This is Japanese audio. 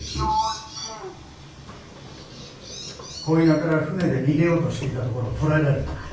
鯉名から舟で逃げようとしていたところを捕らえられた。